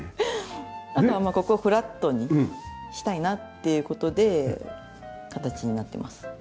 あとはここフラットにしたいなっていう事で形になってます。